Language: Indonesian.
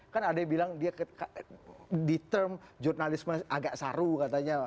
kan ada yang bilang dia di term jurnalisme agak saru katanya